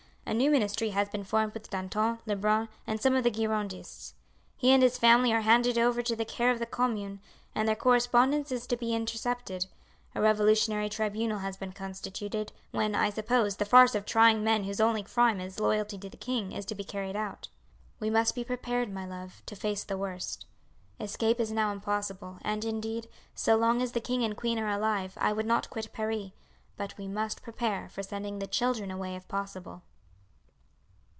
A new ministry has been formed with Danton, Lebrun, and some of the Girondists. He and his family are handed over to the care of the Commune, and their correspondence is to be intercepted. A revolutionary tribunal has been constituted, when, I suppose, the farce of trying men whose only crime is loyalty to the king is to be carried out. "We must be prepared, my love, to face the worst. Escape is now impossible, and, indeed, so long as the king and queen are alive I would not quit Paris; but we must prepare for sending the children away if possible."